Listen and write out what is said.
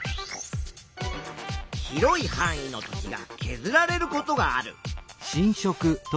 広いはん囲の土地がけずられることがある。